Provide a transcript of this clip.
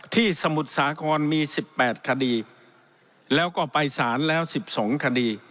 ที่สมุทรสาครมีสิบแปดคดีแล้วก็ไปสารแล้วสิบสองคดี